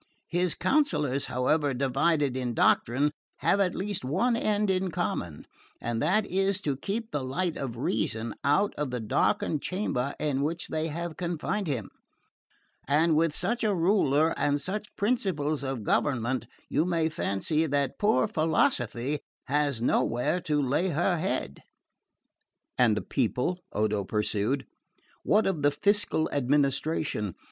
His counsellors, however divided in doctrine, have at least one end in common; and that is, to keep the light of reason out of the darkened chamber in which they have confined him; and with such a ruler and such principles of government, you may fancy that poor philosophy has not where to lay her head." "And the people?" Odo pursued. "What of the fiscal administration?